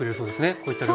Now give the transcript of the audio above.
こういった料理。